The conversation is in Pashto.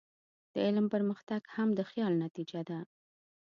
د علم پرمختګ هم د خیال نتیجه ده.